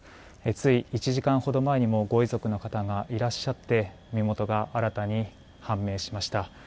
つい１時間ほど前にもご遺族の方がいらっしゃって身元が新たに判明しました。